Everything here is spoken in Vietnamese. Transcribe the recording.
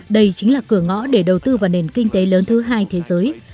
đây chính là cửa ngõ để đầu tư vào nền kinh tế lớn thứ hai thế giới